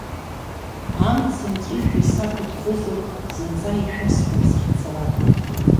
Амца мҵәыжәҩа сақәиҭхозар, зынӡа ишәасҳәом сахьцара.